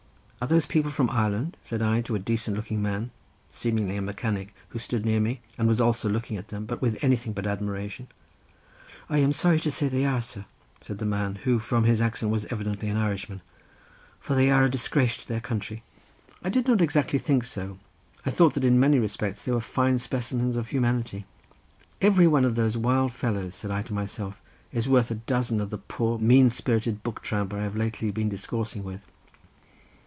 "Are those people from Ireland?" said I to a decent looking man, seemingly a mechanic, who stood near me, and was also looking at them, but with anything but admiration. "I am sorry to say they are, sir," said the man, who from his accent was evidently an Irishman, "for they are a disgrace to their country." I did not exactly think so. I thought that in many respects they were fine specimens of humanity. "Every one of those wild fellows," said I to myself, "is worth a dozen of the poor mean spirited book tramper I have lately been discoursing with."